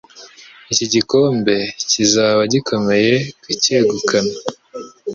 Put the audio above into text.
Iki gikombe kizaba gikomeye kucyegukana